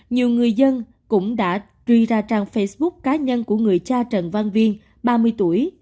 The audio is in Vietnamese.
nhiều người dân cũng đã truy ra trang facebook cá nhân của người cha trần văn viên ba mươi tuổi